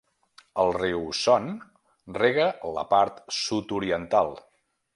El riu Son rega la part sud-oriental.